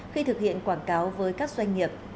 khi thực hiện quảng cáo với các doanh nghiệp